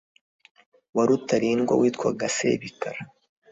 wa rutarindwa witwaga sebikara